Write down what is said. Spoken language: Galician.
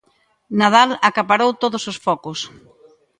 Nadal acaparou todos os focos.